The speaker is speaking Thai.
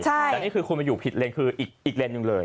แต่นี่คือคุณมาอยู่ผิดเลนคืออีกเลนส์หนึ่งเลย